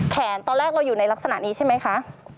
ตอนแรกเราอยู่ในลักษณะนี้ใช่ไหมคะ